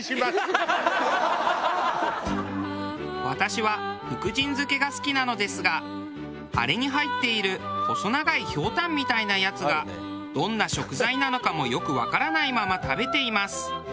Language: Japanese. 私は福神漬けが好きなのですがあれに入っている細長いひょうたんみたいなやつがどんな食材なのかもよくわからないまま食べています。